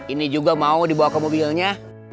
ini juga mau dibawa ke mobilnya